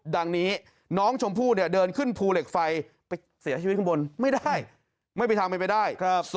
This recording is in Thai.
นี้น้องชมพู่เนี่ยเดินขึ้นภูเหล็กไฟไปเสียชีวิตข้างบนไม่ได้ไม่เป็นทางเป็นไปได้